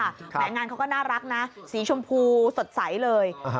งานเขาก็น่ารักนะสีชมพูสดใสเลย